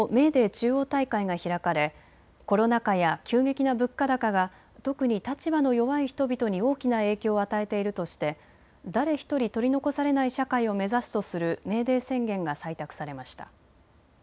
中央大会が開かれコロナ禍や急激な物価高が特に立場の弱い人々に大きな影響を与えているとして誰ひとり取り残されない社会を目指すとするメーデー宣言が採択されました。